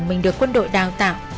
mình được quân đội đào tạo